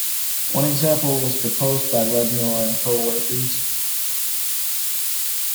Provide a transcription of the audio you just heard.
One example was proposed by Lednor and co-workers.